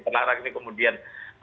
terlarang ini kemudian